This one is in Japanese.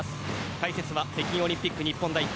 解説は北京オリンピック日本代表